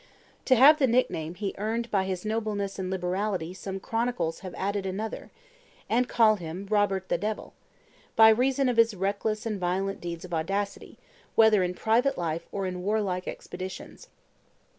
To the nickname he earned by his nobleness and liberality some chronicles have added another, and call him "Robert the Devil," by reason of his reckless and violent deeds of audacity, whether in private life or in warlike expeditions.